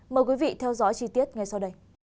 mời quý vị theo dõi chi tiết ngay sau đây